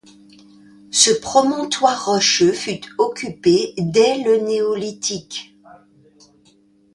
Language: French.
Ce promontoire rocheux fut occupé dès le Néolithique.